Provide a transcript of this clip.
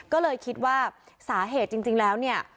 ก็เลยคิดว่าสาเหตุจริงแล้วเนี่ย